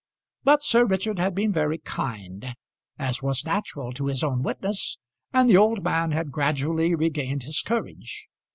But Sir Richard had been very kind, as was natural to his own witness, and the old man had gradually regained his courage.